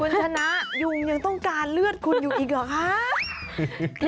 คุณชนะยุงยังต้องการเลือดคุณอยู่อีกเหรอคะ